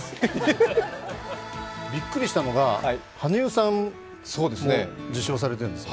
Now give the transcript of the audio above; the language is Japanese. びっくりしたのが羽生さんも受賞しているんです。